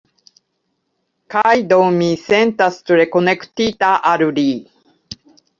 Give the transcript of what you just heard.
Kaj do mi sentas tre konektita al li.